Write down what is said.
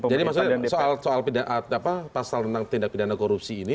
jadi maksudnya soal pasal tentang tindak pidana korupsi ini